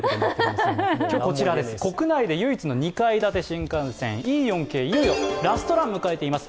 国内で唯一の２階建て新幹線、Ｅ４系、いよいよラストランを迎えています。